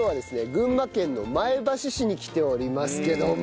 群馬県の前橋市に来ておりますけども。